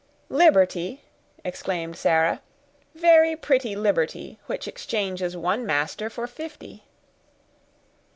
"Liberty!" exclaimed Sarah; "very pretty liberty which exchanges one master for fifty."